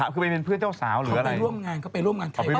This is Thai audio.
เขาสนิทกับใคร